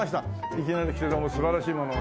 いきなり来てどうも素晴らしいものをね。